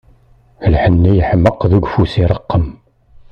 Lḥenni yeḥmeq, deg ufus ireqqem.